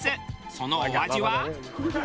そのお味は？